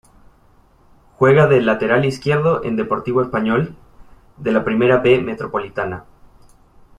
Juega de lateral izquierdo en Deportivo Español de la Primera B Metropolitana.